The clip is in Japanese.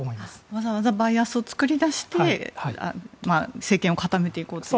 わざわざバイアスを作り出して政権を固めていこうと。